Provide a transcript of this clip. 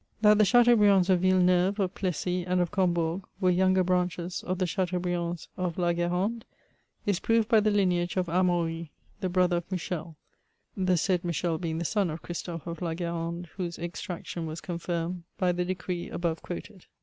That the Chateaubriands of Yilleneuve, of Plessis and of Combourg were younger branches of the Chateaubriands of la Gu^rande is proved by the lineage of Amaury, the brother of Michel ; the said Michel being the son of Christophe of la Gu^rande^ whose extraction was confirmed by the decree above quoted.